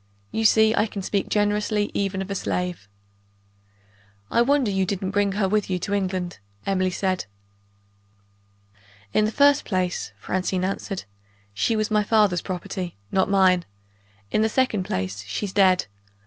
You see I can speak generously even of a slave!" "I wonder you didn't bring her with you to England," Emily said. "In the first place," Francine answered, "she was my father's property, not mine. In the second place, she's dead.